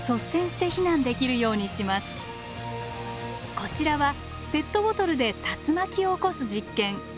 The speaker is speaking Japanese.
こちらはペットボトルで竜巻を起こす実験。